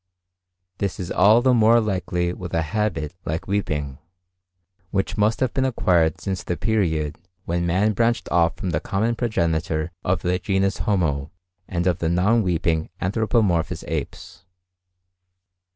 This is all the more likely with a habit like weeping, which must have been acquired since the period when man branched off from the common progenitor of the genus Homo and of the non weeping anthropomorphous apes.